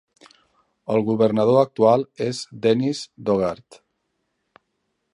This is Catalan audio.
El governador actual és Dennis Daugaard.